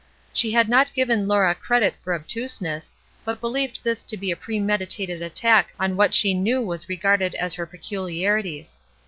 She had not given Laura credit for obtuseness, but beheved this to be a premeditated attack on what she knew was regarded as her peculiarities.